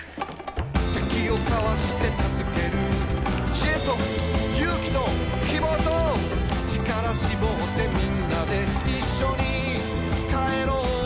「敵をかわしてたすける」「知恵と、勇気と、希望と」「ちからしぼってみんなでいっしょに帰ろう」